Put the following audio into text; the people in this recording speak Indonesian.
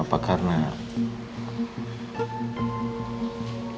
apa yang kondisi